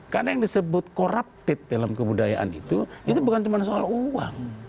karena yang disebut corrupted dalam kebudayaan itu itu bukan cuma soal uang